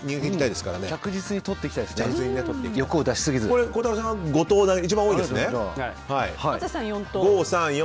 着実にとっていきたいですね。